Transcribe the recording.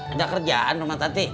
ada kerjaan rumah tati